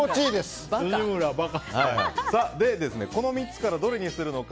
そして、この３つからどれにするのか。